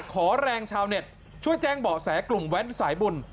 ขอแรงชาวเน็ตช่วยแจ้งเบาะแสกลุ่มแว้นสายบุญ